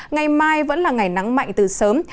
ngày mai vẫn là ngày nắng mạnh từ sớm